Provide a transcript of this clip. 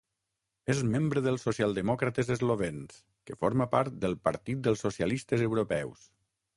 És membre dels Socialdemòcrates eslovens, que forma part del Partit dels Socialistes Europeus.